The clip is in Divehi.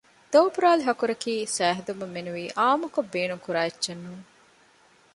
ދޯބުރާލި ހަކުރަކީ ސައިހެދުމަށް މެނުވީ އާންމުކޮށް ބޭނުން ކުރާ އެއްޗެއް ނޫން